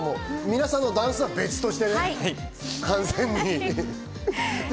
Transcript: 皆さんのダンスは別としてね。